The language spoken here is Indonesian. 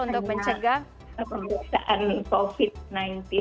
untuk mencegah pemeriksaan covid sembilan belas